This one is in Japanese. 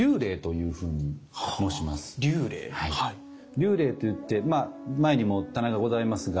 立礼と言ってまあ前にも棚がございますが。